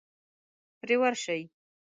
پرې ورشئ.